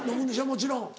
もちろん。